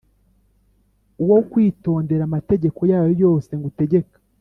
uwo kwitondera amategeko yayo yose ngutegeka